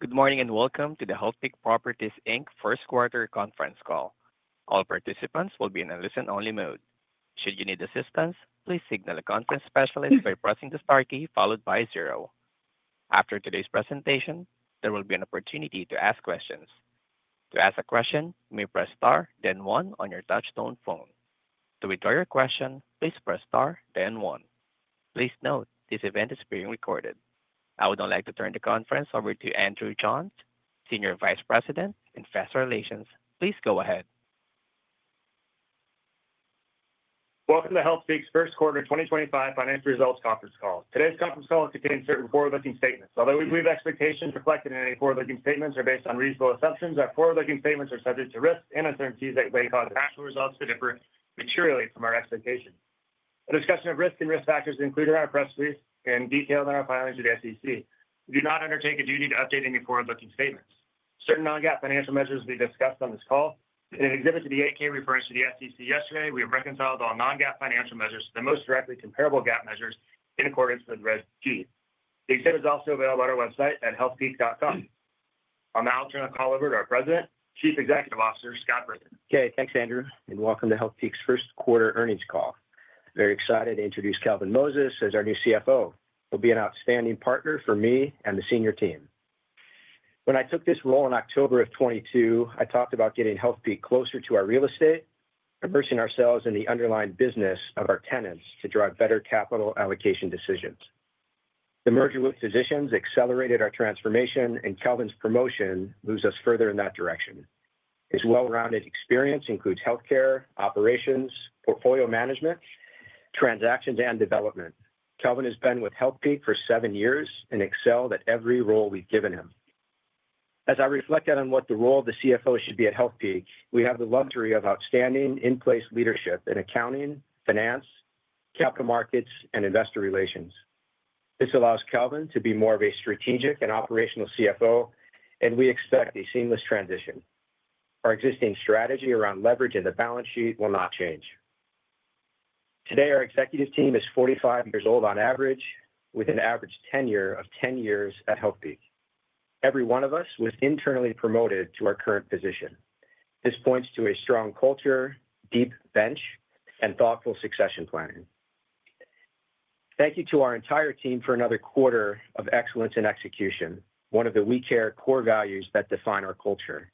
Good morning and welcome to the Healthpeak Properties Inc First Quarter Conference Call. All participants will be in a listen-only mode. Should you need assistance, please signal a content specialist by pressing the star key followed by zero. After today's presentation, there will be an opportunity to ask questions. To ask a question, you may press star, then one on your touch-tone phone. To withdraw your question, please press star, then one. Please note this event is being recorded. I would now like to turn the conference over to Andrew Johns, Senior Vice President, Investor Relations. Please go ahead. Welcome to Healthpeak's First Quarter 2025 Financial Results Conference Call. Today's conference call contains certain forward-looking statements. Although we believe expectations reflected in any forward-looking statements are based on reasonable assumptions, our forward-looking statements are subject to risks and uncertainties that may cause financial results to differ materially from our expectations. A discussion of risk and risk factors included in our press release and detailed in our filing to the SEC. We do not undertake a duty to update any forward-looking statements. Certain non-GAAP financial measures will be discussed on this call. In an exhibit to the 8-K referenced to the SEC yesterday, we have reconciled all non-GAAP financial measures to the most directly comparable GAAP measures in accordance with the Reg G. The exhibit is also available at our website at healthpeak.com. I'll now turn the call over to our President, Chief Executive Officer, Scott Brinker. Okay. Thanks, Andrew, and welcome to Healthpeak's First Quarter Earnings Call. Very excited to introduce Kelvin Moses as our new CFO. He'll be an outstanding partner for me and the senior team. When I took this role in October of 2022, I talked about getting Healthpeak closer to our real estate, immersing ourselves in the underlying business of our tenants to drive better capital allocation decisions. The merger with Physicians accelerated our transformation, and Kelvin's promotion moves us further in that direction. His well-rounded experience includes healthcare, operations, portfolio management, transactions, and development. Kelvin has been with Healthpeak for seven years and excelled at every role we've given him. As I reflected on what the role of the CFO should be at Healthpeak, we have the luxury of outstanding in-place leadership in accounting, finance, capital markets, and investor relations. This allows Kelvin to be more of a strategic and operational CFO, and we expect a seamless transition. Our existing strategy around leverage in the balance sheet will not change. Today, our executive team is 45 years old on average, with an average tenure of 10 years at Healthpeak. Every one of us was internally promoted to our current position. This points to a strong culture, deep bench, and thoughtful succession planning. Thank you to our entire team for another quarter of excellence in execution, one of the WE CARE core values that define our culture.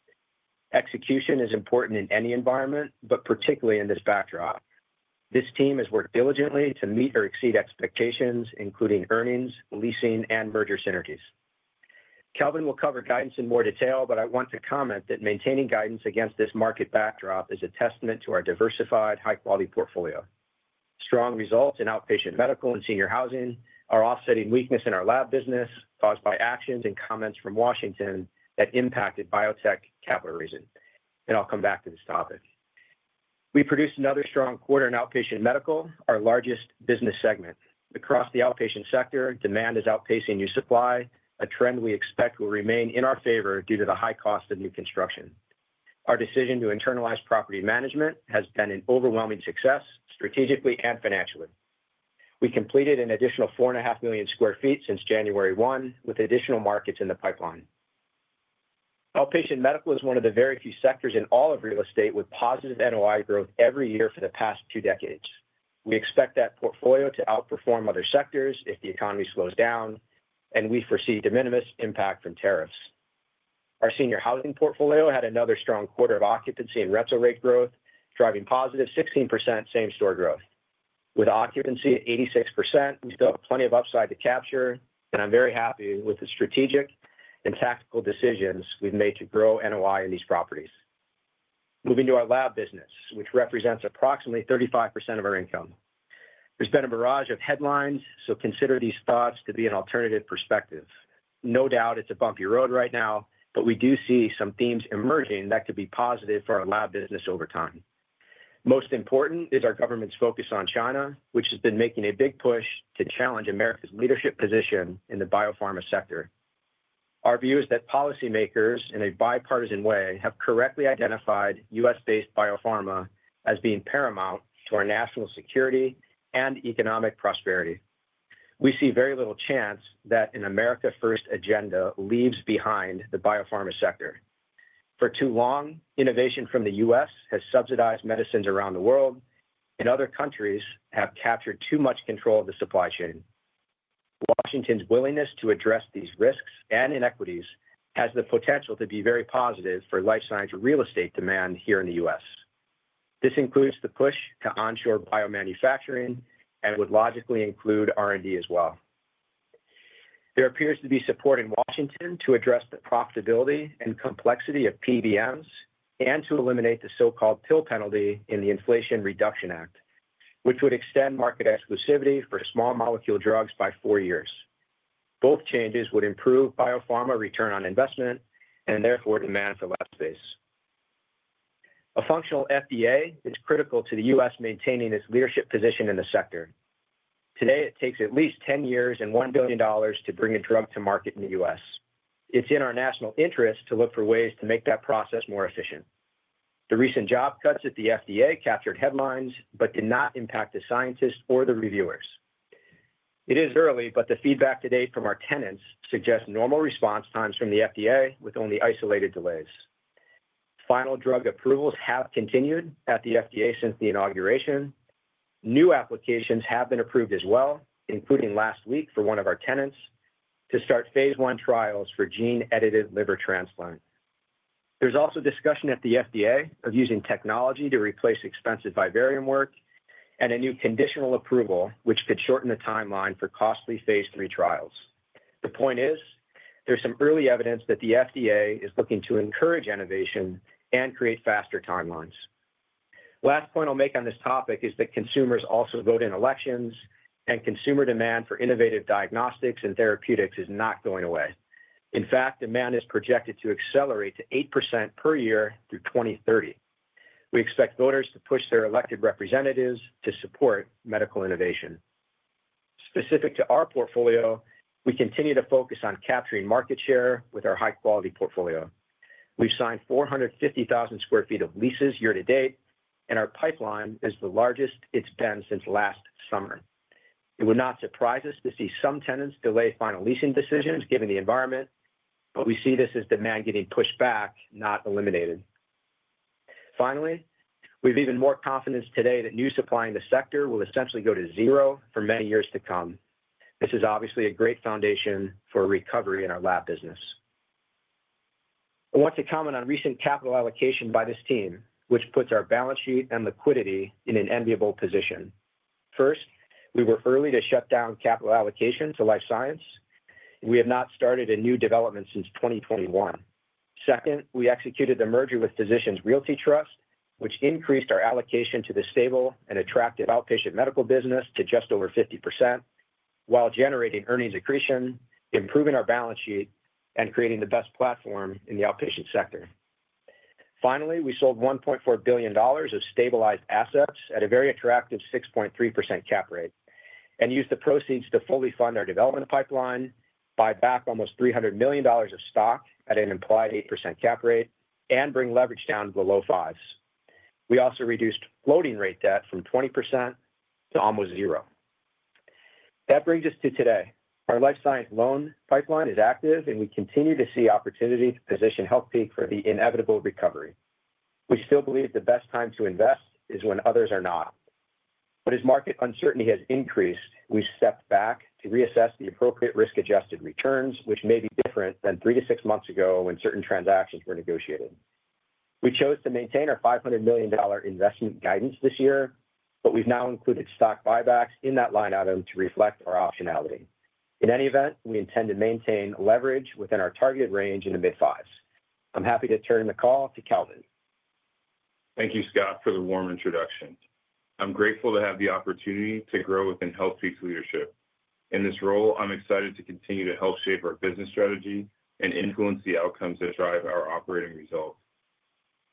Execution is important in any environment, particularly in this backdrop. This team has worked diligently to meet or exceed expectations, including earnings, leasing, and merger synergies. Kelvin will cover guidance in more detail, but I want to comment that maintaining guidance against this market backdrop is a testament to our diversified, high-quality portfolio. Strong results in outpatient medical and senior housing are offsetting weakness in our lab business caused by actions and comments from Washington that impacted biotech capital raising. I will come back to this topic. We produced another strong quarter in outpatient medical, our largest business segment. Across the outpatient sector, demand is outpacing new supply, a trend we expect will remain in our favor due to the high cost of new construction. Our decision to internalize property management has been an overwhelming success strategically and financially. We completed an additional 4.5 million sq ft since January 1, with additional markets in the pipeline. Outpatient medical is one of the very few sectors in all of real estate with positive NOI growth every year for the past two decades. We expect that portfolio to outperform other sectors if the economy slows down, and we foresee de minimis impact from tariffs. Our senior housing portfolio had another strong quarter of occupancy and rental rate growth, driving positive 16% same-store growth. With occupancy at 86%, we still have plenty of upside to capture, and I'm very happy with the strategic and tactical decisions we've made to grow NOI in these properties. Moving to our lab business, which represents approximately 35% of our income. There's been a barrage of headlines, so consider these thoughts to be an alternative perspective. No doubt it's a bumpy road right now, but we do see some themes emerging that could be positive for our lab business over time. Most important is our government's focus on China, which has been making a big push to challenge America's leadership position in the biopharma sector. Our view is that policymakers in a bipartisan way have correctly identified U.S.-based biopharma as being paramount to our national security and economic prosperity. We see very little chance that an America-first agenda leaves behind the biopharma sector. For too long, innovation from the U.S. has subsidized medicines around the world, and other countries have captured too much control of the supply chain. Washington's willingness to address these risks and inequities has the potential to be very positive life science real estate demand here in the U.S. This includes the push to onshore biomanufacturing and would logically include R&D as well. There appears to be support in Washington to address the profitability and complexity of PBMs and to eliminate the so-called Pill Penalty in the Inflation Reduction Act, which would extend market exclusivity for small molecule drugs by four years. Both changes would improve biopharma return on investment and therefore demand for lab space. A functional FDA is critical to the U.S. maintaining its leadership position in the sector. Today, it takes at least 10 years and $1 billion to bring a drug to market in the U.S. It's in our national interest to look for ways to make that process more efficient. The recent job cuts at the FDA captured headlines but did not impact the scientists or the reviewers. It is early, but the feedback to date from our tenants suggests normal response times from the FDA, with only isolated delays. Final drug approvals have continued at the FDA since the inauguration. New applications have been approved as well, including last week for one of our tenants to start Phase I trials for gene-edited liver transplant. There's also discussion at the FDA of using technology to replace expensive vivarium work and a new conditional approval, which could shorten the timeline for costly Phase III trials. The point is, there's some early evidence that the FDA is looking to encourage innovation and create faster timelines. Last point I'll make on this topic is that consumers also vote in elections, and consumer demand for innovative diagnostics and therapeutics is not going away. In fact, demand is projected to accelerate to 8% per year through 2030. We expect voters to push their elected representatives to support medical innovation. Specific to our portfolio, we continue to focus on capturing market share with our high-quality portfolio. We've signed 450,000 sq ft of leases year-to-date, and our pipeline is the largest it's been since last summer. It would not surprise us to see some tenants delay final leasing decisions given the environment, but we see this as demand getting pushed back, not eliminated. Finally, we have even more confidence today that new supply in the sector will essentially go to zero for many years to come. This is obviously a great foundation for recovery in our lab business. I want to comment on recent capital allocation by this team, which puts our balance sheet and liquidity in an enviable position. First, we were early to shut down capital allocation life science. we have not started a new development since 2021. Second, we executed the merger with Physicians Realty Trust, which increased our allocation to the stable and attractive outpatient medical business to just over 50% while generating earnings accretion, improving our balance sheet, and creating the best platform in the outpatient sector. Finally, we sold $1.4 billion of stabilized assets at a very attractive 6.3% cap rate and used the proceeds to fully fund our development pipeline, buy back almost $300 million of stock at an implied 8% cap rate, and bring leverage down to below fives. We also reduced floating rate debt from 20% to almost zero. That brings us to today. life science loan pipeline is active, and we continue to see opportunity to position Healthpeak for the inevitable recovery. We still believe the best time to invest is when others are not. As market uncertainty has increased, we've stepped back to reassess the appropriate risk-adjusted returns, which may be different than three to six months ago when certain transactions were negotiated. We chose to maintain our $500 million investment guidance this year, but we've now included stock buybacks in that line item to reflect our optionality. In any event, we intend to maintain leverage within our targeted range in the mid-fives. I'm happy to turn the call to Kelvin. Thank you, Scott, for the warm introduction. I'm grateful to have the opportunity to grow within Healthpeak's leadership. In this role, I'm excited to continue to help shape our business strategy and influence the outcomes that drive our operating results.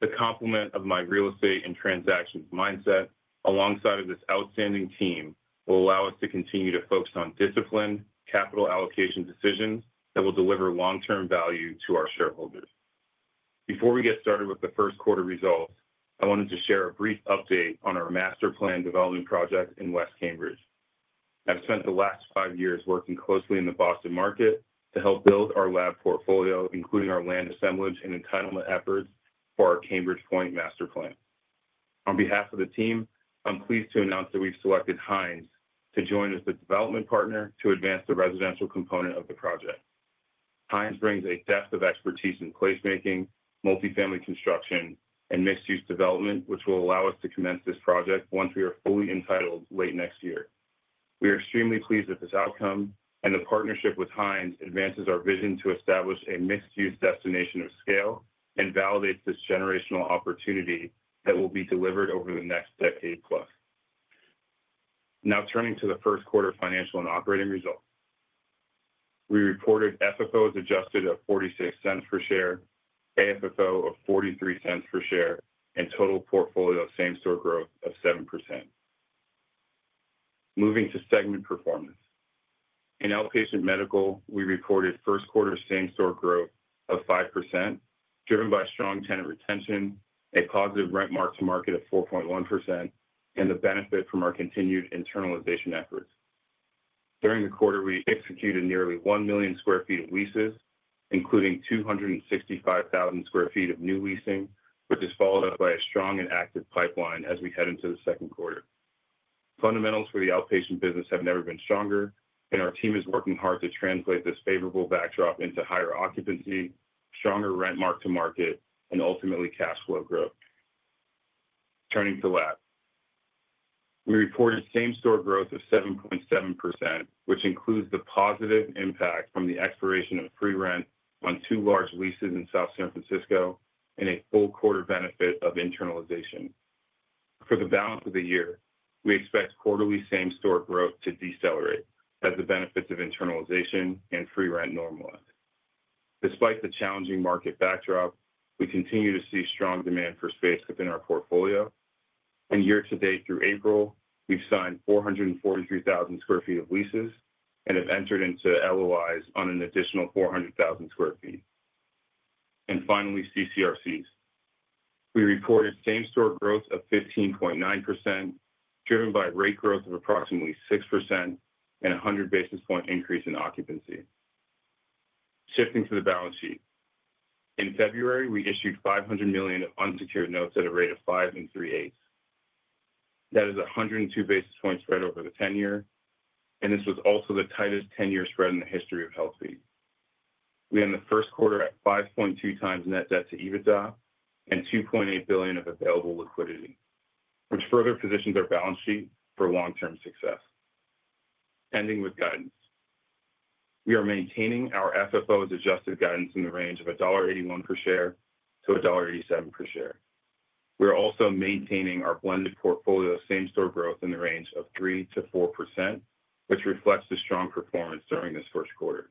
The complement of my real estate and transactions mindset alongside of this outstanding team will allow us to continue to focus on disciplined capital allocation decisions that will deliver long-term value to our shareholders. Before we get started with the first quarter results, I wanted to share a brief update on our master plan development project in West Cambridge. I've spent the last five years working closely in the Boston market to help build our lab portfolio, including our land assemblage and entitlement efforts for our CambridgePark master plan. On behalf of the team, I'm pleased to announce that we've selected Hines to join as the development partner to advance the residential component of the project. Hines brings a depth of expertise in placemaking, multifamily construction, and mixed-use development, which will allow us to commence this project once we are fully entitled late next year. We are extremely pleased with this outcome, and the partnership with Hines advances our vision to establish a mixed-use destination of scale and validates this generational opportunity that will be delivered over the next decade plus. Now turning to the first quarter financial and operating results, we reported FFO as Adjusted at $0.46 per share, AFFO of $0.43 per share, and total portfolio same-store growth of 7%. Moving to segment performance. In outpatient medical, we reported first quarter same-store growth of 5%, driven by strong tenant retention, a positive rent mark-to-market of 4.1%, and the benefit from our continued internalization efforts. During the quarter, we executed nearly 1 million sq ft of leases, including 265,000 sq ft of new leasing, which is followed up by a strong and active pipeline as we head into the second quarter. Fundamentals for the outpatient business have never been stronger, and our team is working hard to translate this favorable backdrop into higher occupancy, stronger rent mark-to-market, and ultimately cash flow growth. Turning to lab, we reported same-store growth of 7.7%, which includes the positive impact from the expiration of free rent on two large leases in South San Francisco and a full quarter benefit of internalization. For the balance of the year, we expect quarterly same-store growth to decelerate as the benefits of internalization and free rent normalize. Despite the challenging market backdrop, we continue to see strong demand for space within our portfolio. Year-to-date through April, we've signed 443,000 sq ft of leases and have entered into LOIs on an additional 400,000 sq ft. Finally, CCRCs. We reported same-store growth of 15.9%, driven by rate growth of approximately 6% and a 100 basis point increase in occupancy. Shifting to the balance sheet, in February, we issued $500 million of unsecured notes at a rate of 5 and 3/8. That is a 102 basis point spread over the 10 year, and this was also the tightest 10-year spread in the history of Healthpeak. We end the first quarter at 5.2x net debt to EBITDA and $2.8 billion of available liquidity, which further positions our balance sheet for long-term success. Ending with guidance, we are maintaining our FFO as Adjusted guidance in the range of $1.81 per share-$1.87 per share. We are also maintaining our blended portfolio same-store growth in the range of 3%-4%, which reflects the strong performance during this first quarter.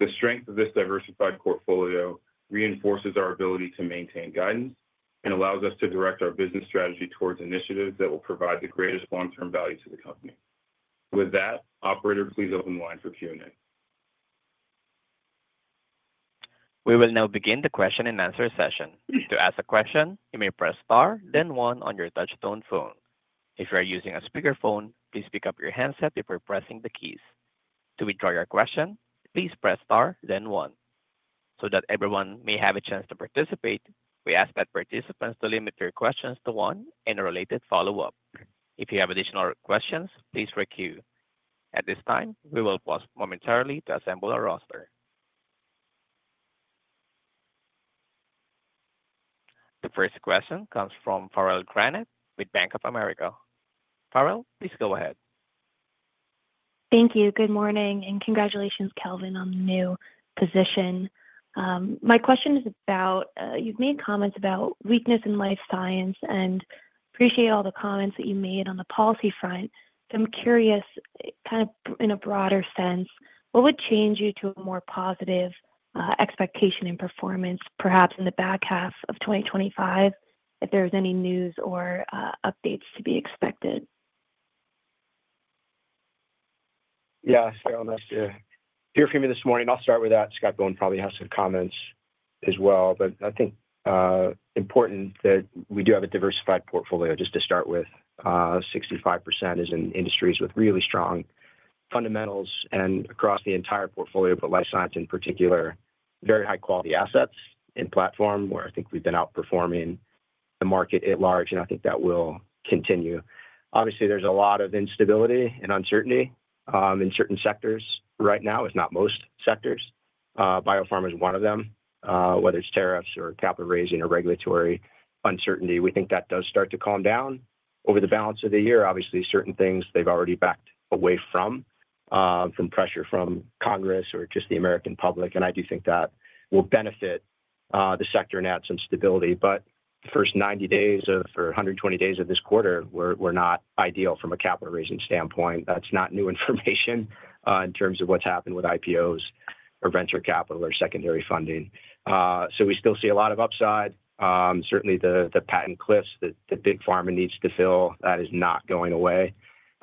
The strength of this diversified portfolio reinforces our ability to maintain guidance and allows us to direct our business strategy towards initiatives that will provide the greatest long-term value to the company. With that, operator, please open the line for Q&A. We will now begin the question-and-answer session. To ask a question, you may press star, then one on your touch-tone phone. If you are using a speakerphone, please pick up your handset before pressing the keys. To withdraw your question, please press star, then one. So that everyone may have a chance to participate, we ask that participants delimit their questions to one and a related follow-up. If you have additional questions, please requeue. At this time, we will pause momentarily to assemble our roster. The first question comes from Farrell Granath with Bank of America. Farrell, please go ahead. Thank you. Good morning, and congratulations, Kelvin, on the new position. My question is about, you've made comments about weakness life science, and I appreciate all the comments that you made on the policy front. I'm curious, kind of in a broader sense, what would change you to a more positive expectation and performance, perhaps in the back half of 2025, if there was any news or updates to be expected? Yeah, sure. I'll hear from you this morning. I'll start with that. Scott Bohn probably has some comments as well, but I think it's important that we do have a diversified portfolio. Just to start with, 65% is in industries with really strong fundamentals and across the entire portfolio, life science in particular, very high-quality assets and platform where I think we've been outperforming the market at large, and I think that will continue. Obviously, there's a lot of instability and uncertainty in certain sectors right now, if not most sectors. Biopharma is one of them. Whether it's tariffs or capital raising or regulatory uncertainty, we think that does start to calm down. Over the balance of the year, obviously, certain things they've already backed away from, from pressure from Congress or just the American public, and I do think that will benefit the sector and add some stability. The first 90 days or 120 days of this quarter were not ideal from a capital raising standpoint. That is not new information in terms of what has happened with IPOs or venture capital or secondary funding. We still see a lot of upside. Certainly, the patent cliffs that Big Pharma needs to fill, that is not going away.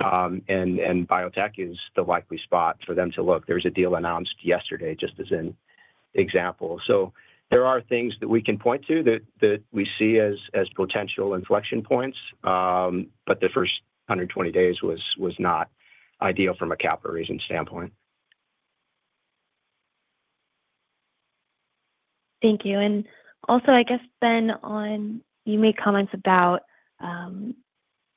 Biotech is the likely spot for them to look. There was a deal announced yesterday, just as an example. There are things that we can point to that we see as potential inflection points, but the first 120 days was not ideal from a capital raising standpoint. Thank you. I guess, Ben, you made comments about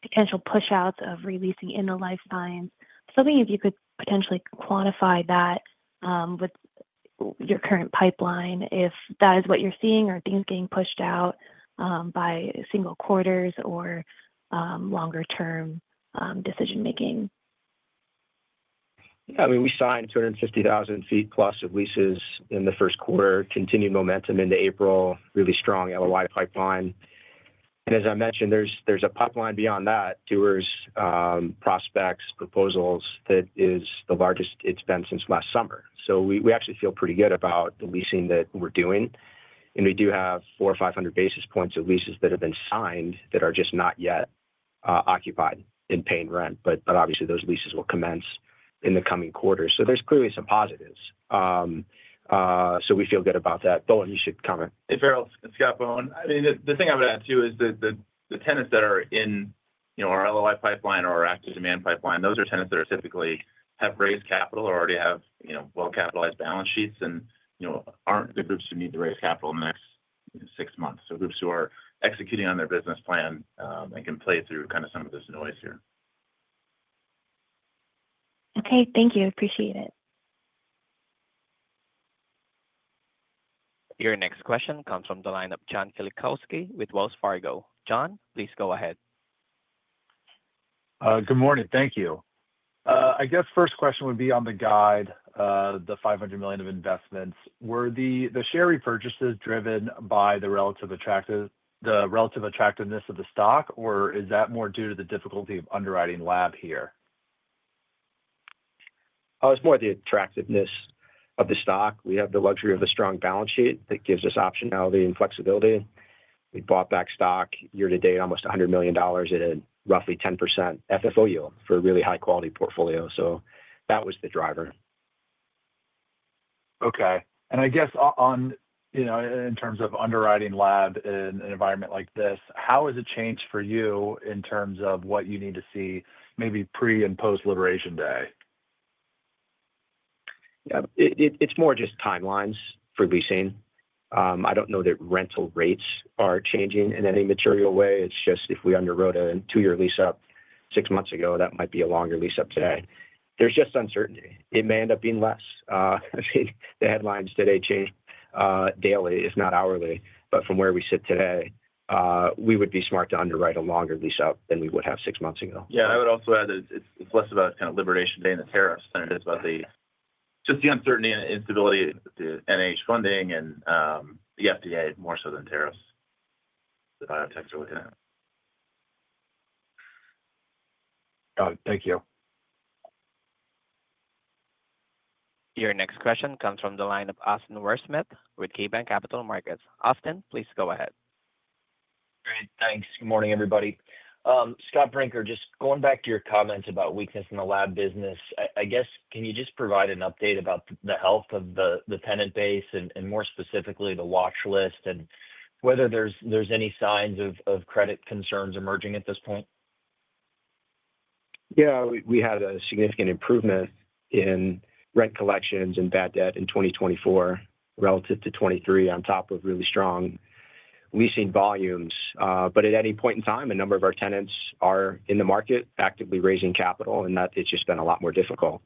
potential push-outs of releasing in life science. tell me if you could potentially quantify that with your current pipeline, if that is what you're seeing or things getting pushed out by single quarters or longer-term decision-making. Yeah, I mean, we signed 250,000 sq ft plus of leases in the first quarter, continued momentum into April, really strong LOI pipeline. As I mentioned, there's a pipeline beyond that tours, prospects, proposals that is the largest it's been since last summer. We actually feel pretty good about the leasing that we're doing. We do have 400 basis points or 500 basis points of leases that have been signed that are just not yet occupied and paying rent. Obviously, those leases will commence in the coming quarter. There's clearly some positives. We feel good about that. Bohn, you should comment. Hey, Farrell, Scott Bohn. I mean, the thing I would add too is that the tenants that are in our LOI pipeline or our active demand pipeline, those are tenants that typically have raised capital or already have well-capitalized balance sheets and aren't the groups who need to raise capital in the next six months. Groups who are executing on their business plan and can play through kind of some of this noise here. Okay. Thank you. Appreciate it. Your next question comes from the line of John Kilichowski with Wells Fargo. John, please go ahead. Good morning. Thank you. I guess first question would be on the guide, the $500 million of investments. Were the share repurchases driven by the relative attractiveness of the stock, or is that more due to the difficulty of underwriting lab here? It's more the attractiveness of the stock. We have the luxury of a strong balance sheet that gives us optionality and flexibility. We bought back stock year to date, almost $100 million at a roughly 10% FFO yield for a really high-quality portfolio. That was the driver. Okay. I guess in terms of underwriting lab in an environment like this, how has it changed for you in terms of what you need to see maybe pre and post-Liberation Day? Yeah. It's more just timelines for leasing. I don't know that rental rates are changing in any material way. It's just if we underwrote a two-year lease-up six months ago, that might be a longer lease-up today. There's just uncertainty. It may end up being less. The headlines today change daily, if not hourly. From where we sit today, we would be smart to underwrite a longer lease-up than we would have six months ago. Yeah. I would also add that it's less about kind of Liberation Day and the tariffs than it is about just the uncertainty and instability. The NIH funding and the FDA more so than tariffs that biotechs are looking at. Got it. Thank you. Your next question comes from the line of Austin Wurschmidt with KeyBanc Capital Markets. Austin, please go ahead. Great. Thanks. Good morning, everybody. Scott Brinker, just going back to your comments about weakness in the lab business, I guess, can you just provide an update about the health of the tenant base and more specifically the watch list and whether there's any signs of credit concerns emerging at this point? Yeah. We had a significant improvement in rent collections and bad debt in 2024 relative to 2023 on top of really strong leasing volumes. At any point in time, a number of our tenants are in the market actively raising capital, and that has just been a lot more difficult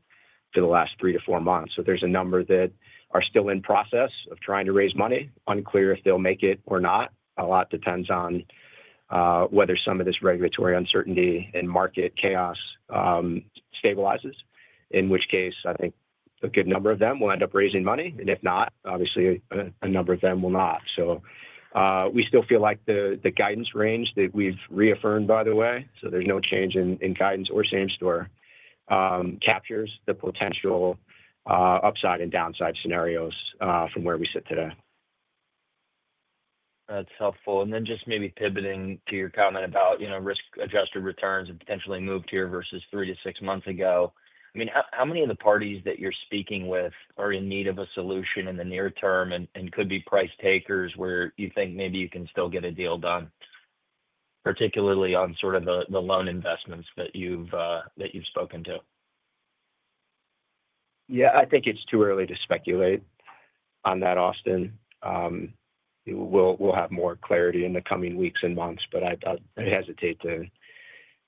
for the last three to four months. There are a number that are still in process of trying to raise money. Unclear if they will make it or not. A lot depends on whether some of this regulatory uncertainty and market chaos stabilizes, in which case, I think a good number of them will end up raising money. If not, obviously, a number of them will not. We still feel like the guidance range that we've reaffirmed, by the way, so there's no change in guidance or same-store, captures the potential upside and downside scenarios from where we sit today. That's helpful. Maybe pivoting to your comment about risk-adjusted returns and potentially moved here versus three to six months ago. I mean, how many of the parties that you're speaking with are in need of a solution in the near term and could be price takers where you think maybe you can still get a deal done, particularly on sort of the loan investments that you've spoken to? Yeah. I think it's too early to speculate on that, Austin. We'll have more clarity in the coming weeks and months, but I hesitate to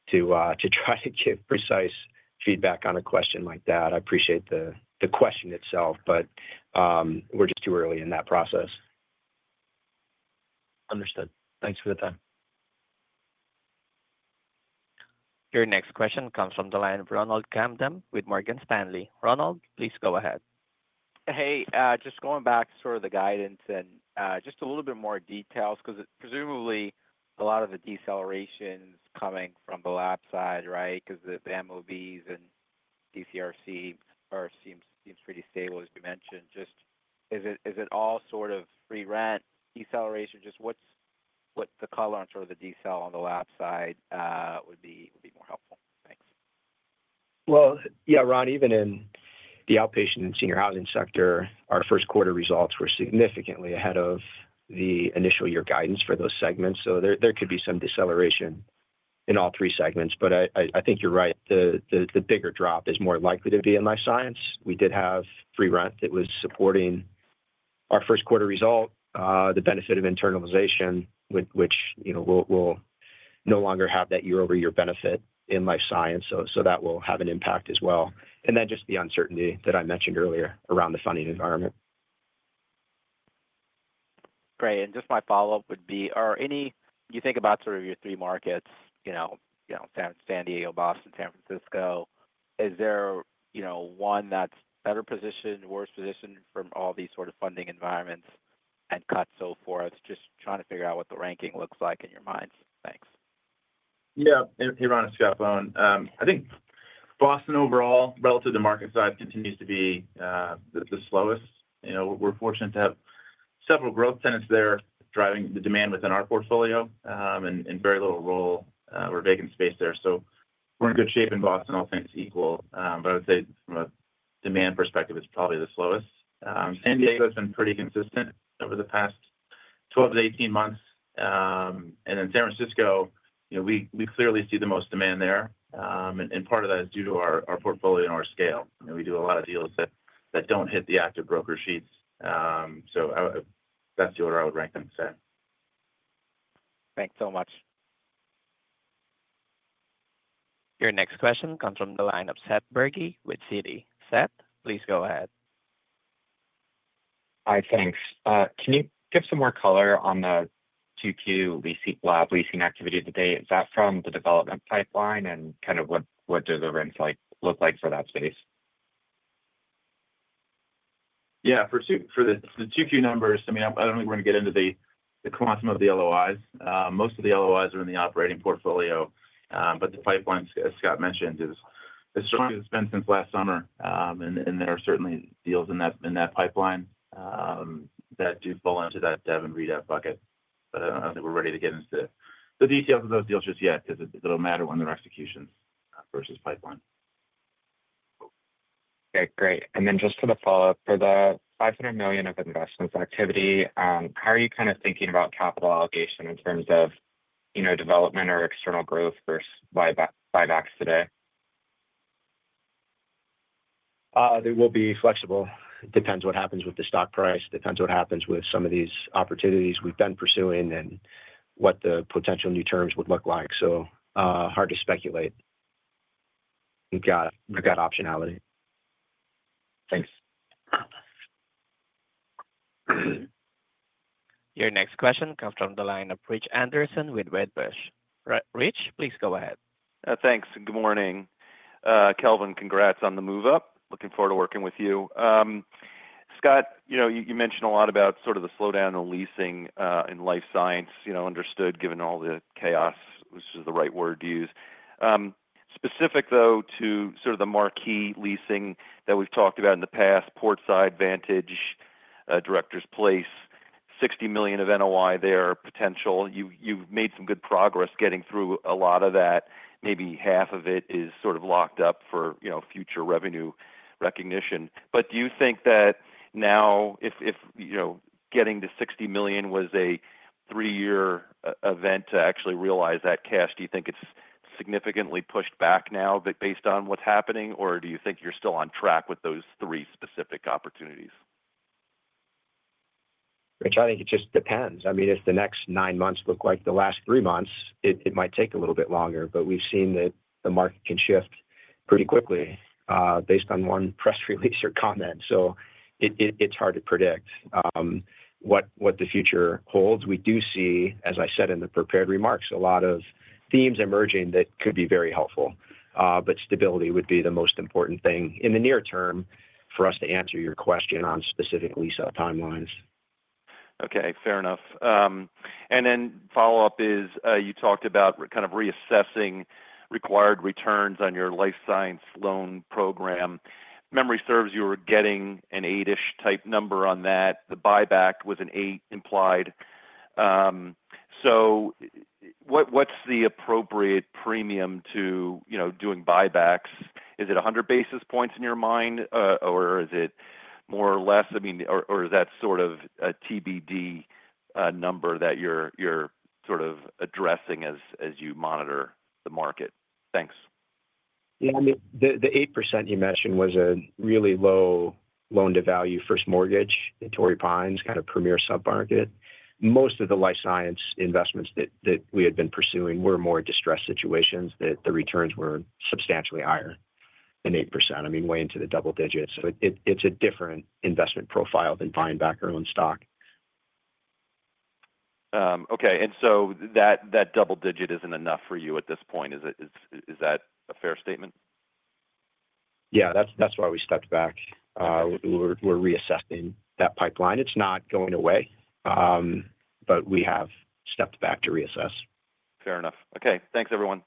try to give precise feedback on a question like that. I appreciate the question itself, but we're just too early in that process. Understood. Thanks for the time. Your next question comes from the line of Ronald Kamdem with Morgan Stanley. Ronald, please go ahead. Hey, just going back to sort of the guidance and just a little bit more details because presumably a lot of the deceleration is coming from the lab side, right? Because the MOBs and DCRC seems pretty stable, as you mentioned. Just is it all sort of free rent, deceleration? Just what's the color on sort of the decel on the lab side would be more helpful. Thanks. Yeah, Ron, even in the outpatient and senior housing sector, our first quarter results were significantly ahead of the initial year guidance for those segments. There could be some deceleration in all three segments. I think you're right. The bigger drop is more likely to be life science. we did have free rent that was supporting our first quarter result, the benefit of internalization, which we'll no longer have that year-over-year benefit life science. that will have an impact as well. Then just the uncertainty that I mentioned earlier around the funding environment. Great. Just my follow-up would be, do you think about sort of your three markets, San Diego, Boston, San Francisco? Is there one that's better positioned, worse positioned from all these sort of funding environments and cuts, so forth? Just trying to figure out what the ranking looks like in your minds. Thanks. Yeah. Hey, Ron and Scott Bohn. I think Boston overall, relative to market size, continues to be the slowest. We're fortunate to have several growth tenants there driving the demand within our portfolio and very little roll or vacant space there. So we're in good shape in Boston. I'll say it's equal. I would say from a demand perspective, it's probably the slowest. San Diego has been pretty consistent over the past 12 months-18 months. In San Francisco, we clearly see the most demand there. Part of that is due to our portfolio and our scale. We do a lot of deals that don't hit the active broker sheets. That's the order I would rank them. Thanks so much. Your next question comes from the line of Seth Bergey with Citi. Seth, please go ahead. Hi, thanks. Can you give some more color on the 2Q lab leasing activity today? Is that from the development pipeline and kind of what does the rent look like for that space? Yeah. For the 2Q numbers, I mean, I don't think we're going to get into the quantum of the LOIs. Most of the LOIs are in the operating portfolio. The pipeline, as Scott mentioned, has certainly been since last summer. There are certainly deals in that pipeline that do fall into that dev and redev bucket. I don't think we're ready to get into the details of those deals just yet because it'll matter when they're executions versus pipeline. Okay. Great. Just for the follow-up, for the $500 million of investments activity, how are you kind of thinking about capital allocation in terms of development or external growth versus buybacks today? They will be flexible. It depends what happens with the stock price. It depends what happens with some of these opportunities we've been pursuing and what the potential new terms would look like. Hard to speculate. We've got optionality. Thanks. Your next question comes from the line of Rich Anderson with Wedbush. Rich, please go ahead. Thanks. Good morning. Kelvin, congrats on the move-up. Looking forward to working with you. Scott, you mentioned a lot about sort of the slowdown in leasing life science, understood given all the chaos, which is the right word to use. Specific, though, to sort of the marquee leasing that we've talked about in the past, Portside, Vantage, Directors Place, $60 million of NOI there, potential. You've made some good progress getting through a lot of that. Maybe half of it is sort of locked up for future revenue recognition. Do you think that now, if getting to $60 million was a three-year event to actually realize that cash, do you think it's significantly pushed back now based on what's happening, or do you think you're still on track with those three specific opportunities? Rich, I think it just depends. I mean, if the next nine months look like the last three months, it might take a little bit longer. We have seen that the market can shift pretty quickly based on one press release or comment. It is hard to predict what the future holds. We do see, as I said in the prepared remarks, a lot of themes emerging that could be very helpful. Stability would be the most important thing in the near term for us to answer your question on specific lease-out timelines. Okay. Fair enough. Then follow-up is you talked about kind of reassessing required returns on life science loan program. If memory serves, you were getting an eight-ish type number on that. The buyback was an 8% implied. What is the appropriate premium to doing buybacks? Is it 100 basis points in your mind, or is it more or less? I mean, or is that sort of a TBD number that you are sort of addressing as you monitor the market? Thanks. Yeah. I mean, the 8% you mentioned was a really low loan-to-value first mortgage in Torrey Pines, kind of premier submarket. Most of life science investments that we had been pursuing were more distressed situations that the returns were substantially higher than 8%. I mean, way into the double digits. It is a different investment profile than buying back our own stock. Okay. And so that double digit isn't enough for you at this point? Is that a fair statement? Yeah. That's why we stepped back. We're reassessing that pipeline. It's not going away, but we have stepped back to reassess. Fair enough. Okay. Thanks, everyone.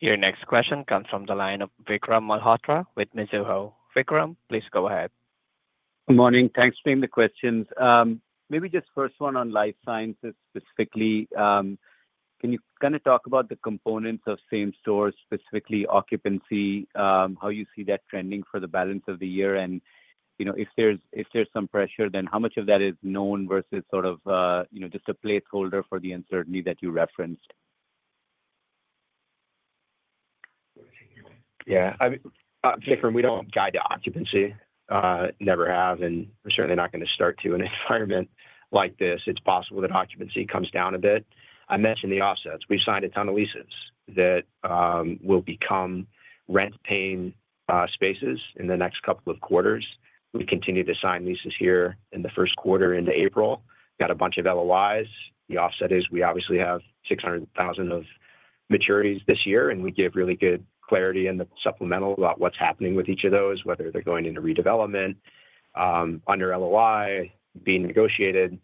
Your next question comes from the line of Vikram Malhotra with Mizuho. Vikram, please go ahead. Good morning. Thanks for the questions. Maybe just first one life sciences specifically. Can you kind of talk about the components of same-store, specifically occupancy, how you see that trending for the balance of the year? If there's some pressure, then how much of that is known versus sort of just a placeholder for the uncertainty that you referenced? Yeah. Vikram, we don't guide to occupancy. Never have. We're certainly not going to start to in an environment like this. It's possible that occupancy comes down a bit. I mentioned the offsets. We've signed a ton of leases that will become rent-paying spaces in the next couple of quarters. We continue to sign leases here in the first quarter into April. Got a bunch of LOIs. The offset is we obviously have 600,000 of maturities this year, and we give really good clarity in the supplemental about what's happening with each of those, whether they're going into redevelopment under LOI, being negotiated,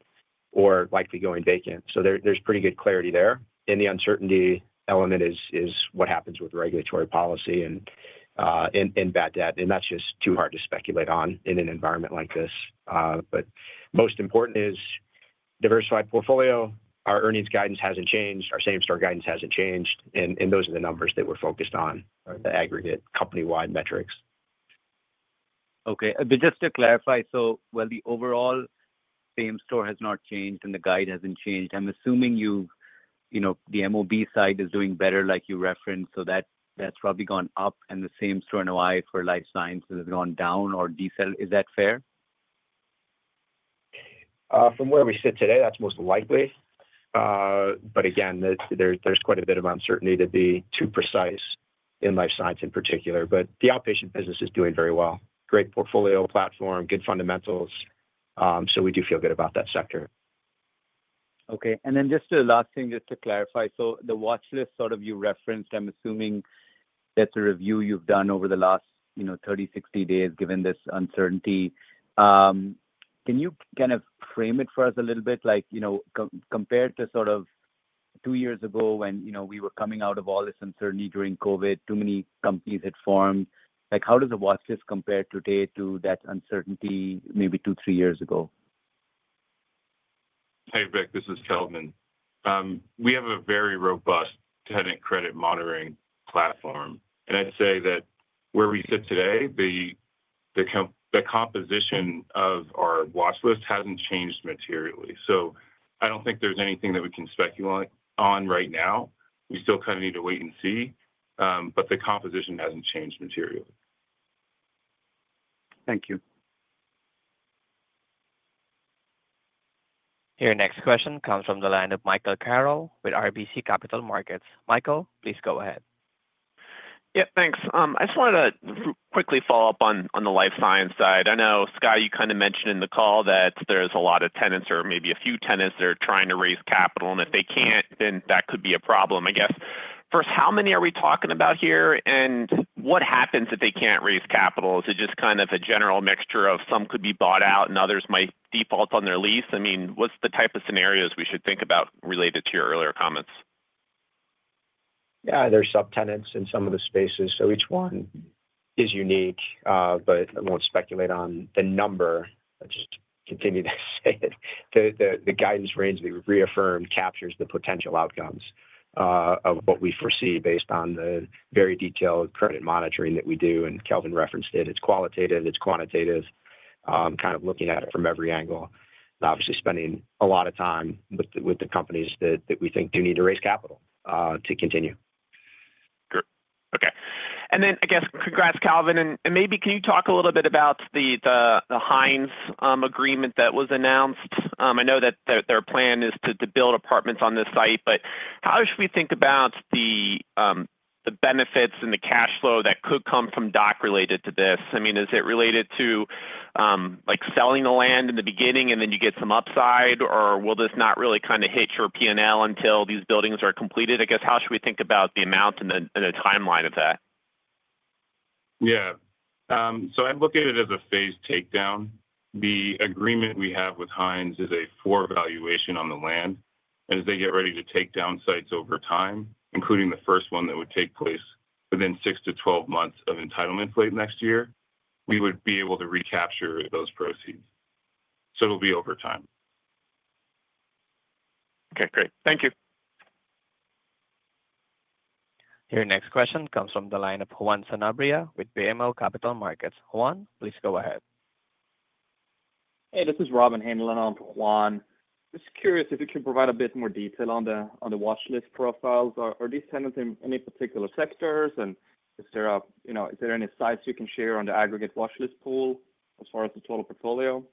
or likely going vacant. There's pretty good clarity there. The uncertainty element is what happens with regulatory policy and bad debt. That's just too hard to speculate on in an environment like this. Most important is diversified portfolio. Our earnings guidance has not changed. Our same-store guidance has not changed. Those are the numbers that we are focused on, the aggregate company-wide metrics. Okay. Just to clarify, while the overall same-store has not changed and the guide has not changed, I'm assuming the MOB side is doing better, like you referenced. That's probably gone up. The same-store NOI life sciences has gone down or decel. Is that fair? From where we sit today, that's most likely. Again, there's quite a bit of uncertainty to be too precise life science in particular. The outpatient business is doing very well. Great portfolio platform, good fundamentals. We do feel good about that sector. Okay. Just the last thing, just to clarify. The watchlist you referenced, I'm assuming that's a review you've done over the last 30-60 days, given this uncertainty. Can you kind of frame it for us a little bit? Compared to two years ago when we were coming out of all this uncertainty during COVID, too many companies had formed. How does the watchlist compare today to that uncertainty maybe two, three years ago? Hey, Vik. This is Kelvin. We have a very robust tenant credit monitoring platform. I'd say that where we sit today, the composition of our watchlist hasn't changed materially. I don't think there's anything that we can speculate on right now. We still kind of need to wait and see. The composition hasn't changed materially. Thank you. Your next question comes from the line of Michael Carroll with RBC Capital Markets. Michael, please go ahead. Yeah. Thanks. I just wanted to quickly follow up on life science side. I know, Scott, you kind of mentioned in the call that there's a lot of tenants or maybe a few tenants that are trying to raise capital. And if they can't, then that could be a problem. I guess, first, how many are we talking about here? What happens if they can't raise capital? Is it just kind of a general mixture of some could be bought out and others might default on their lease? I mean, what's the type of scenarios we should think about related to your earlier comments? Yeah. There are subtenants in some of the spaces. Each one is unique. I will not speculate on the number. I just continue to say it. The guidance range that we have reaffirmed captures the potential outcomes of what we foresee based on the very detailed credit monitoring that we do. Kelvin referenced it. It is qualitative. It is quantitative. Kind of looking at it from every angle. Obviously, spending a lot of time with the companies that we think do need to raise capital to continue. Good. Okay. I guess, congrats, Kelvin. Maybe can you talk a little bit about the Hines agreement that was announced? I know that their plan is to build apartments on this site. How should we think about the benefits and the cash flow that could come from DOC related to this? I mean, is it related to selling the land in the beginning and then you get some upside, or will this not really kind of hit your P&L until these buildings are completed? I guess, how should we think about the amount and the timeline of that? Yeah. I'd look at it as a phased takedown. The agreement we have with Hines is a forward valuation on the land. As they get ready to take down sites over time, including the first one that would take place within 6 months-12 months of entitlement plate next year, we would be able to recapture those proceeds. It'll be over time. Okay. Great. Thank you. Your next question comes from the line of Juan Sanabria with BMO Capital Markets. Juan, please go ahead. Hey, this is Robin Haneland on Juan. Just curious if you can provide a bit more detail on the watchlist profiles. Are these tenants in any particular sectors? Is there any sites you can share on the aggregate watchlist pool as far as the total portfolio?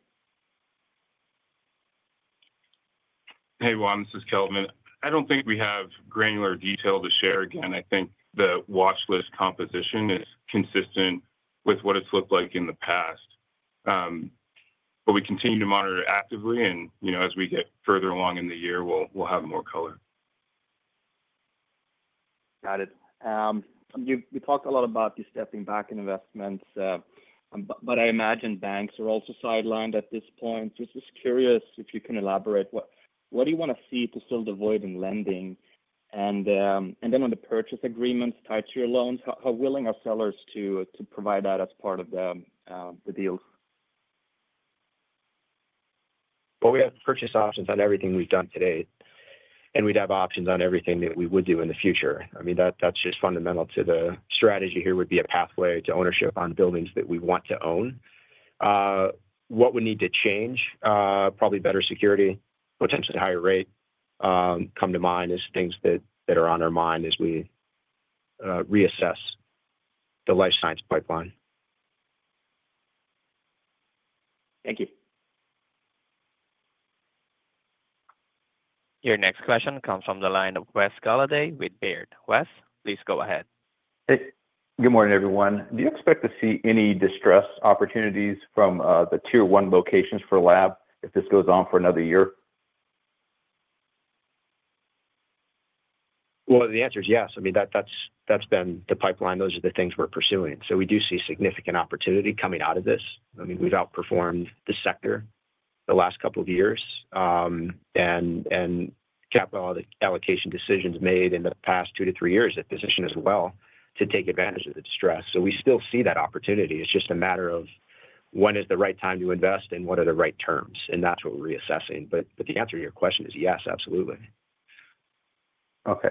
Hey, Juan. This is Kelvin. I don't think we have granular detail to share. Again, I think the watchlist composition is consistent with what it's looked like in the past. We continue to monitor actively. As we get further along in the year, we'll have more color. Got it. You talked a lot about the stepping back in investments. I imagine banks are also sidelined at this point. Just curious if you can elaborate. What do you want to see to still avoid in lending? On the purchase agreements tied to your loans, how willing are sellers to provide that as part of the deals? We have purchase options on everything we've done today. And we'd have options on everything that we would do in the future. I mean, that's just fundamental to the strategy here would be a pathway to ownership on buildings that we want to own. What would need to change? Probably better security, potentially higher rate. Come to mind is things that are on our mind as we reassess life science pipeline. Thank you. Your next question comes from the line of Wes Golladay with Baird. Wesley, please go ahead. Hey. Good morning, everyone. Do you expect to see any distress opportunities from the tier-one locations for lab if this goes on for another year? The answer is yes. I mean, that's been the pipeline. Those are the things we're pursuing. We do see significant opportunity coming out of this. I mean, we've outperformed the sector the last couple of years. Capital allocation decisions made in the past two to three years have positioned us well to take advantage of the distress. We still see that opportunity. It's just a matter of when is the right time to invest and what are the right terms. That's what we're reassessing. The answer to your question is yes, absolutely. Okay.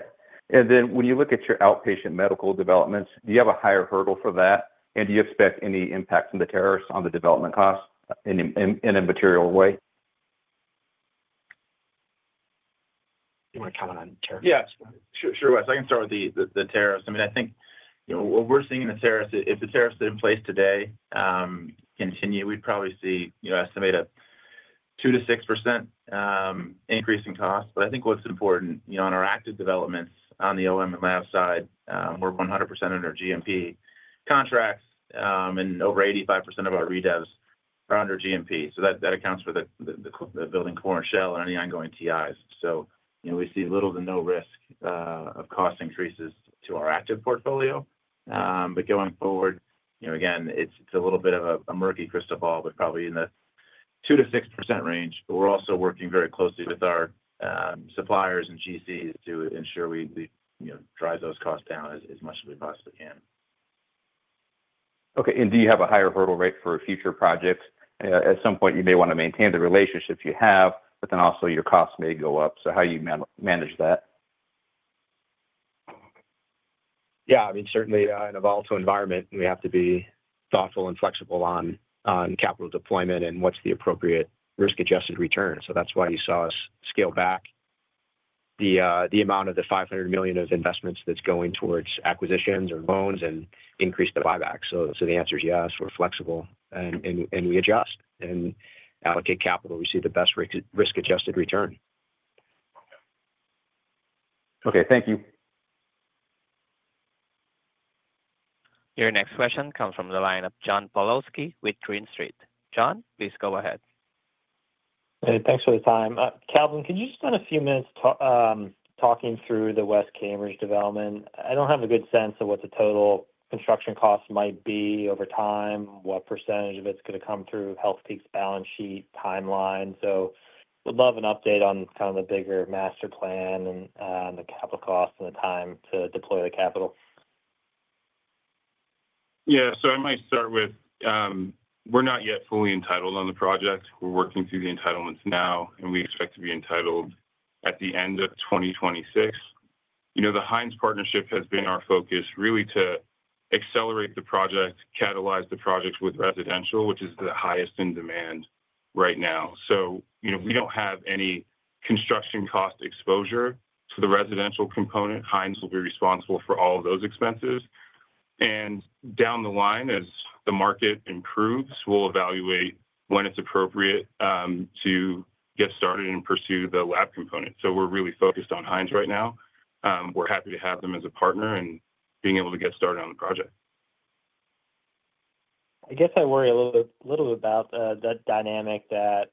When you look at your outpatient medical developments, do you have a higher hurdle for that? Do you expect any impact from the tariffs on the development cost in a material way? You want to comment on tariffs? Yeah. Sure, Wes. I can start with the tariffs. I mean, I think what we're seeing in the tariffs, if the tariffs are in place today, continue, we'd probably see an estimated 2%-6% increase in cost. I think what's important on our active developments on the OM and lab side, we're 100% under GMP contracts. Over 85% of our redevs are under GMP. That accounts for the building core and shell and any ongoing TIs. We see little to no risk of cost increases to our active portfolio. Going forward, again, it's a little bit of a murky crystal ball, but probably in the 2%-6% range. We're also working very closely with our suppliers and GCs to ensure we drive those costs down as much as we possibly can. Okay. Do you have a higher hurdle rate for future projects? At some point, you may want to maintain the relationships you have, but then also your costs may go up. How do you manage that? Yeah. I mean, certainly in a volatile environment, we have to be thoughtful and flexible on capital deployment and what's the appropriate risk-adjusted return. That is why you saw us scale back the amount of the $500 million of investments that is going towards acquisitions or loans and increase the buyback. The answer is yes. We are flexible. We adjust and allocate capital to receive the best risk-adjusted return. Okay. Thank you. Your next question comes from the line of John Pawlowski with Green Street. John, please go ahead. Thanks for the time. Kelvin, could you spend a few minutes talking through the West Cambridge development? I don't have a good sense of what the total construction costs might be over time, what percentage of it's going to come through Healthpeak's balance sheet timeline. Would love an update on kind of the bigger master plan and the capital costs and the time to deploy the capital. Yeah. I might start with we're not yet fully entitled on the project. We're working through the entitlements now. We expect to be entitled at the end of 2026. The Hines partnership has been our focus really to accelerate the project, catalyze the projects with residential, which is the highest in demand right now. We do not have any construction cost exposure to the residential component. Hines will be responsible for all of those expenses. Down the line, as the market improves, we'll evaluate when it's appropriate to get started and pursue the lab component. We're really focused on Hines right now. We're happy to have them as a partner and being able to get started on the project. I guess I worry a little about the dynamic that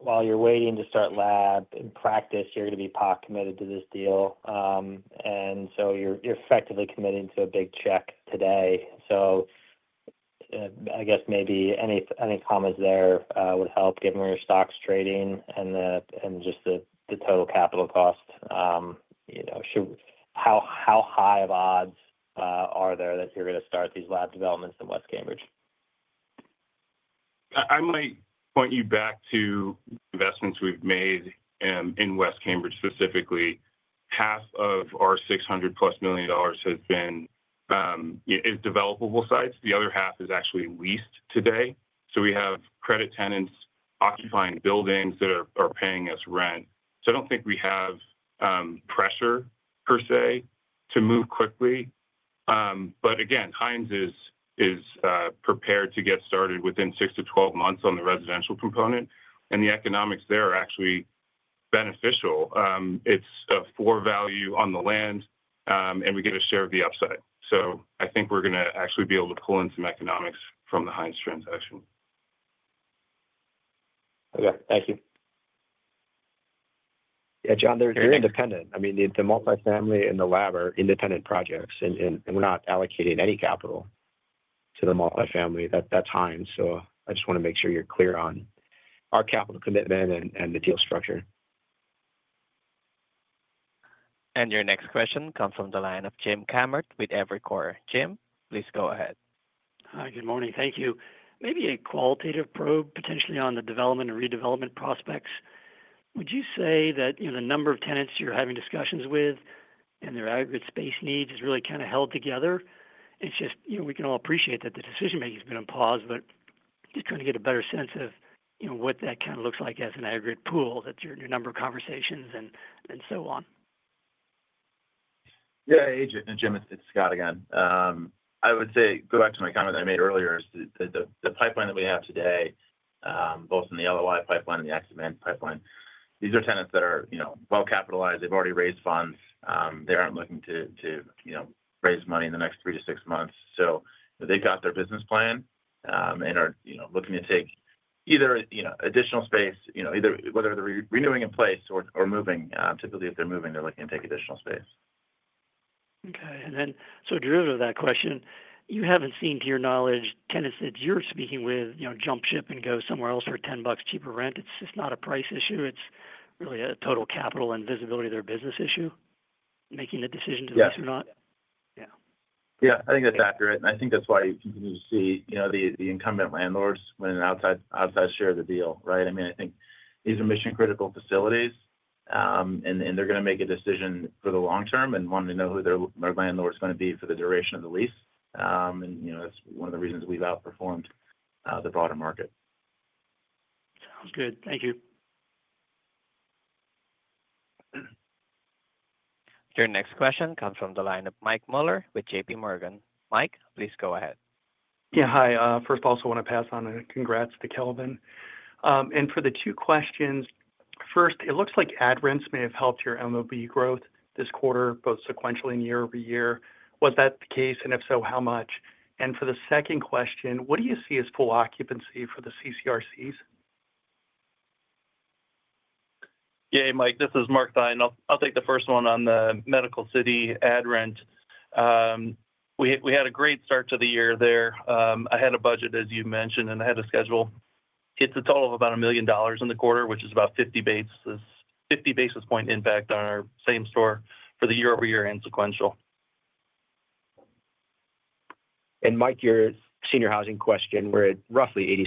while you're waiting to start lab in practice, you're going to be pot committed to this deal. You are effectively committing to a big check today. I guess maybe any comments there would help given where your stock's trading and just the total capital cost. How high of odds are there that you're going to start these lab developments in West Cambridge? I might point you back to investments we've made in West Cambridge specifically. Half of our $600 million+ has been developable sites. The other half is actually leased today. We have credit tenants occupying buildings that are paying us rent. I don't think we have pressure per se to move quickly. Hines is prepared to get started within 6 months-12 months on the residential component. The economics there are actually beneficial. It's a forward value on the land. We get a share of the upside. I think we're going to actually be able to pull in some economics from the Hines transaction. Okay. Thank you. Yeah. John, they're independent. I mean, the multifamily and the lab are independent projects. We're not allocating any capital to the multifamily. That's Hines. I just want to make sure you're clear on our capital commitment and the deal structure. Your next question comes from the line of Jim Kammert with Evercore. Jim, please go ahead. Hi. Good morning. Thank you. Maybe a qualitative probe potentially on the development and redevelopment prospects. Would you say that the number of tenants you're having discussions with and their aggregate space needs is really kind of held together? It's just we can all appreciate that the decision-making has been on pause, but just trying to get a better sense of what that kind of looks like as an aggregate pool, your number of conversations, and so on. Yeah. Jim, it's Scott again. I would say go back to my comment that I made earlier. The pipeline that we have today, both in the LOI pipeline and the active management pipeline, these are tenants that are well-capitalized. They've already raised funds. They aren't looking to raise money in the next three to six months. They've got their business plan and are looking to take either additional space, whether they're renewing in place or moving. Typically, if they're moving, they're looking to take additional space. Okay. Derivative of that question, you haven't seen, to your knowledge, tenants that you're speaking with jump ship and go somewhere else for $10 cheaper rent. It's just not a price issue. It's really a total capital and visibility of their business issue making the decision to lease or not. Yeah. Yeah. Yeah. I think that's accurate. I think that's why you continue to see the incumbent landlords win an outside share of the deal, right? I mean, I think these are mission-critical facilities. They're going to make a decision for the long term and want to know who their landlord is going to be for the duration of the lease. That's one of the reasons we've outperformed the broader market. Sounds good. Thank you. Your next question comes from the line of Mike Mueller with J.P. Morgan. Mike, please go ahead. Yeah. Hi. First, I also want to pass on and congrats to Kelvin. For the two questions, first, it looks like additional rents may have helped your MOB growth this quarter, both sequentially and year over year. Was that the case? If so, how much? For the second question, what do you see as full occupancy for the CCRCs? Yeah. Hey, Mike. This is Mark Theine. I'll take the first one on the Medical City additional rent. We had a great start to the year there. I had a budget, as you mentioned, and I had a schedule. It's a total of about $1 million in the quarter, which is about 50 basis points impact on our same-store for the year-over-year and sequential. Mike, your senior housing question, we're at roughly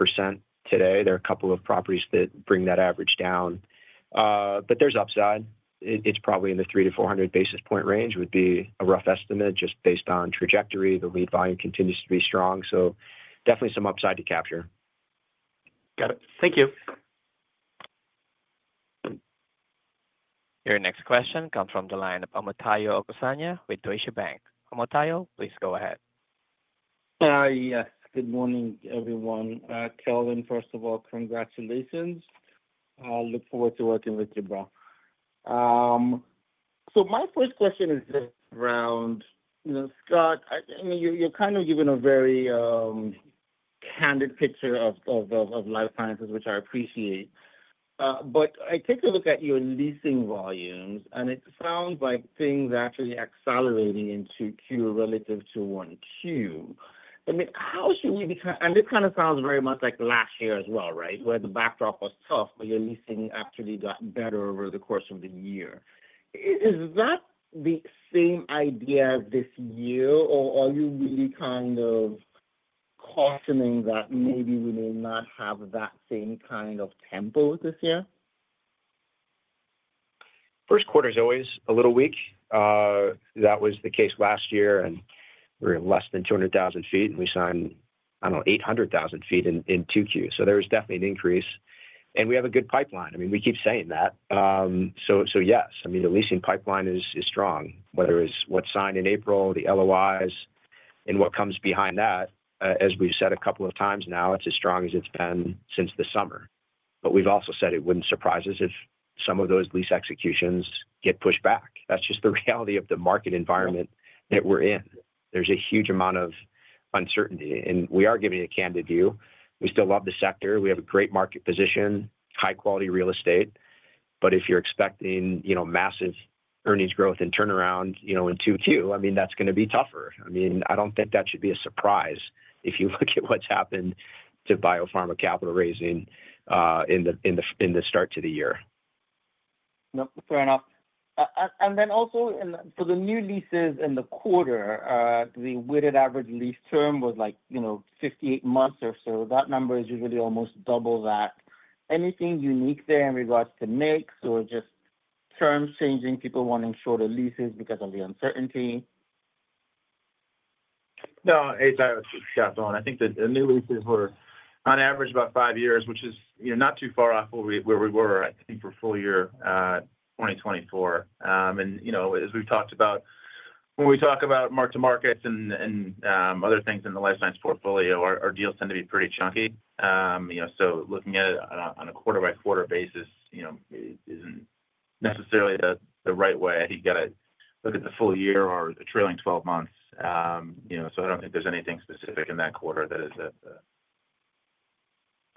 86% today. There are a couple of properties that bring that average down. There is upside. It is probably in the 300-400 basis point range, would be a rough estimate just based on trajectory. The lead volume continues to be strong. Definitely some upside to capture. Got it. Thank you. Your next question comes from the line of Omotayo Okusanya with Deutsche Bank. Omotayo, please go ahead. Yes. Good morning, everyone. Kelvin, first of all, congratulations. I look forward to working with you, bro. My first question is around, Scott, I mean, you're kind of giving a very candid picture life sciences, which I appreciate. I take a look at your leasing volumes, and it sounds like things actually accelerating into 2Q relative to Q1. How should we be—and this kind of sounds very much like last year as well, right, where the backdrop was tough, but your leasing actually got better over the course of the year. Is that the same idea this year, or are you really kind of cautioning that maybe we may not have that same kind of tempo this year? First quarter is always a little weak. That was the case last year. We were less than 200,000 ft, and we signed, I don't know, 800,000 ft in 2Q. There was definitely an increase. We have a good pipeline. I mean, we keep saying that. Yes, the leasing pipeline is strong, whether it's what's signed in April, the LOIs, and what comes behind that. As we've said a couple of times now, it's as strong as it's been since the summer. We've also said it wouldn't surprise us if some of those lease executions get pushed back. That's just the reality of the market environment that we're in. There's a huge amount of uncertainty. We are giving a candid view. We still love the sector. We have a great market position, high-quality real estate. If you're expecting massive earnings growth and turnaround in 2Q, I mean, that's going to be tougher. I mean, I don't think that should be a surprise if you look at what's happened to biopharma capital raising in the start to the year. Nope. Fair enough. Also, for the new leases in the quarter, the weighted average lease term was like 58 months or so. That number is usually almost double that. Anything unique there in regards to mix or just terms changing, people wanting shorter leases because of the uncertainty? No. This is Scott Bohn. I think the new leases were on average about five years, which is not too far off where we were, I think, for full year 2024. As we've talked about, when we talk about mark-to-markets and other things in life science portfolio, our deals tend to be pretty chunky. Looking at it on a quarter-by-quarter basis isn't necessarily the right way. You got to look at the full year or the trailing 12 months. I don't think there's anything specific in that quarter that is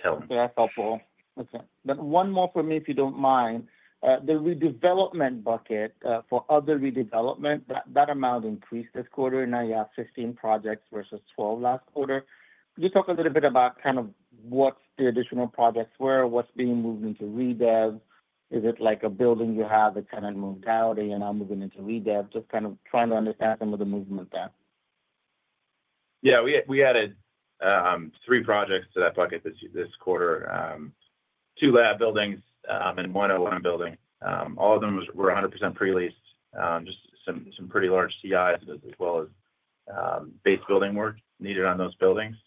telling. Yeah. That's helpful. Okay. One more for me, if you don't mind. The redevelopment bucket for other redevelopment, that amount increased this quarter. Now you have 15 projects versus 12 last quarter. Could you talk a little bit about kind of what the additional projects were? What's being moved into redev? Is it like a building you have that's kind of moved out and you're now moving into redev? Just kind of trying to understand some of the movement there. Yeah. We added three projects to that bucket this quarter: two lab buildings and one MOB building. All of them were 100% pre-leased, just some pretty large TIs as well as base building work needed on those buildings.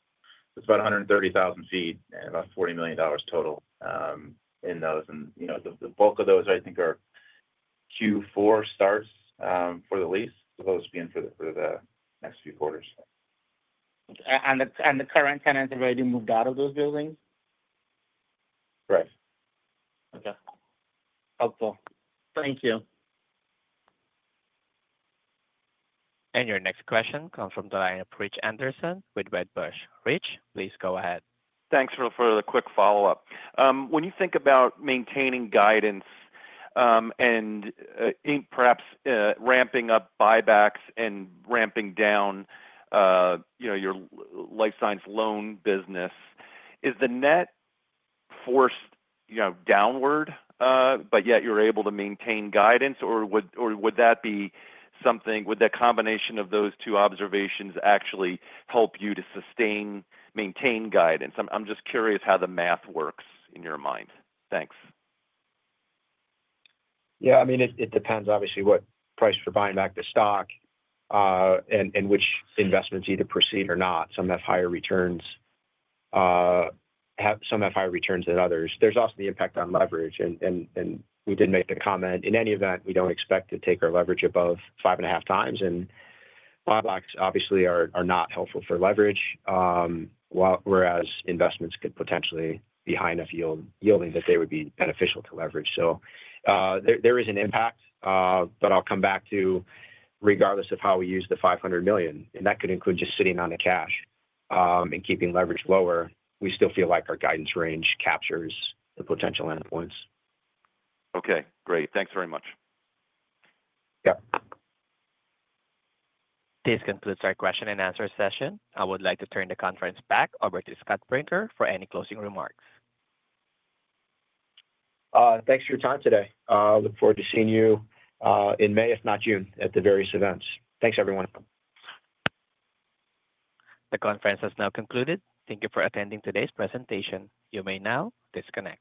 It is about 130,000 ft and about $40 million total in those. The bulk of those, I think, are Q4 starts for the lease, supposed to be in for the next few quarters. Have the current tenants already moved out of those buildings? Correct. Okay. Helpful. Thank you. Your next question comes from the line of Rich Anderson with Wedbush. Rich, please go ahead. Thanks for the quick follow-up. When you think about maintaining guidance and perhaps ramping up buybacks and ramping down life science loan business, is the net forced downward, but yet you're able to maintain guidance? Would that be something—would the combination of those two observations actually help you to sustain, maintain guidance? I'm just curious how the math works in your mind. Thanks. Yeah. I mean, it depends, obviously, what price for buying back the stock and which investments either proceed or not. Some have higher returns. Some have higher returns than others. There is also the impact on leverage. We did make the comment. In any event, we do not expect to take our leverage above 5.5x. Buybacks, obviously, are not helpful for leverage, whereas investments could potentially be high enough yielding that they would be beneficial to leverage. There is an impact, but I will come back to regardless of how we use the $500 million. That could include just sitting on the cash and keeping leverage lower. We still feel like our guidance range captures the potential endpoints. Okay. Great. Thanks very much. Yep. This concludes our question-and-answer session. I would like to turn the conference back over to Scott Brinker for any closing remarks. Thanks for your time today. I look forward to seeing you in May, if not June, at the various events. Thanks, everyone. The conference has now concluded. Thank you for attending today's presentation. You may now disconnect.